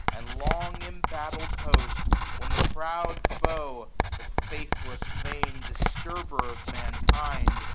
And long embattled hosts; when the proud foe. The faithless vain disturber of mankind.